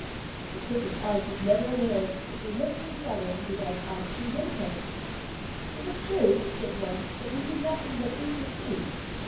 The Crickets answered never a word, but they looked at each other and began asking him questions. "Is it true," said one, "that you do nothing but eat and sleep?"